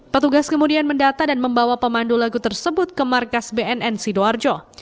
petugas kemudian mendata dan membawa pemandu lagu tersebut ke markas bnn sidoarjo